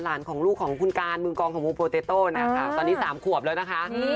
ตัวหลานของลูกของคุณการมึงกองของพวกโปรเตโต้นะคะตอนนี้๓ขวบแล้วนะคะ